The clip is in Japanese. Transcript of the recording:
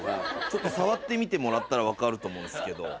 触ってみてもらったら分かると思うんすけど。